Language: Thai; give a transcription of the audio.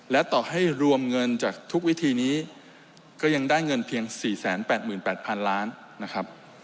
และต่อให้รวมเงินจากทุกวิธีนี้ก็ยังได้เงินเพียง๔๘๘๐๐๐ล้านนะครับ